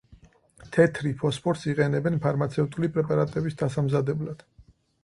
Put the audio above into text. თეთრი ფოსფორს იყენებენ ფარმაცევტული პრეპარატების დასამზადებლად.